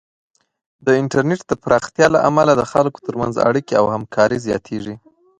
د انټرنیټ د پراختیا له امله د خلکو ترمنځ اړیکې او همکاري زیاتېږي.